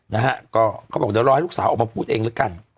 นะฮะก็เขาบอกเดี๋ยวรอให้ลูกสาวออกมาพูดเองแล้วกัน